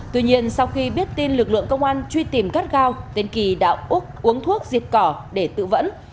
tuy nhiên sau khi biết tin lực lượng công an truy tìm các gao tên kỳ đã úc uống thuốc diệt cỏ để tự vẫn